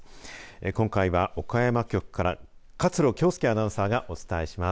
今回は岡山局から勝呂恭佑アナウンサーがお伝えします。